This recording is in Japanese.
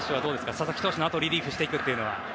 佐々木投手のあとリリーフしていくのは。